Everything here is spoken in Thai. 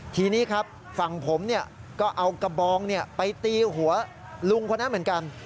ทีนี้ครับฝั่งผมก็เอากระบองไปตีหัวลุงคนนั้นเหมือนกัน